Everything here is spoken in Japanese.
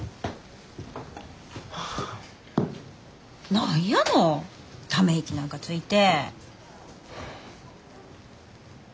何やのため息なんかついて。